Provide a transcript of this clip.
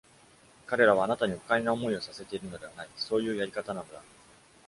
彼らはあなたに不快な思いをさせているのではない、そういうやり方なのだ。